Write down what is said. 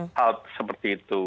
tidak memutuskan hal seperti itu